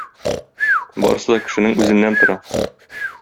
Барысы да кешенең үзеннән тора.